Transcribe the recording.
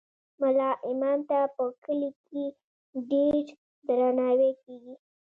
ملا امام ته په کلي کې ډیر درناوی کیږي.